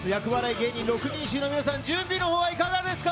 芸人六人衆の皆さん、準備のほうはいかがですか。